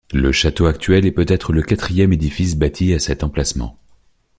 Le château actuel est peut-être le quatrième édifice bâti à cet emplacement.